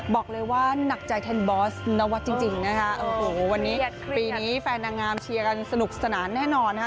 บอกเลยว่าหนักใจแทนบอสนวัฒน์จริงนะคะโอ้โหวันนี้ปีนี้แฟนนางงามเชียร์กันสนุกสนานแน่นอนนะคะ